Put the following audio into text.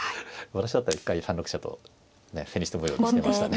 私だったら一回３六飛車と千日手模様にしてましたね。